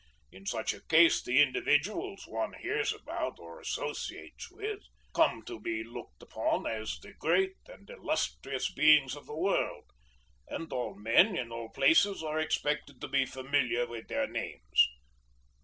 In such a case the individuals one hears about or associates with, come to be looked upon as the great and illustrious beings of the world, and all men in all places are expected to be familiar with their names.